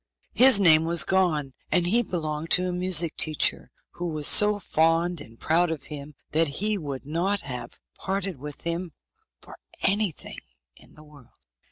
His name was Gon, and he belonged to a music teacher, who was so fond and proud of him that he would not have parted with him for anything in the world.